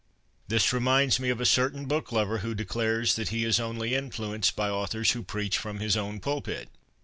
This reminds me of a certain book lover who declares that he is only influenced by authors who preach from his own pulpit.